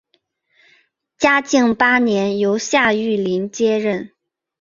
嘉靖八年由夏玉麟接任。